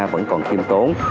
vẫn còn khiêm tốn